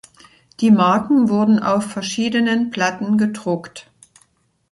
Die Marken wurden auf verschiedenen Platten gedruckt.